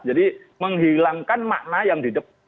jadi menghilangkan makna yang didep